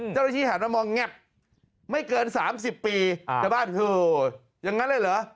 เจ้าหน้าที่แห่งมามองงับไม่เกิน๓๐ปีชาวบ้านเฮ้ออย่างนั้นเลยเหรอ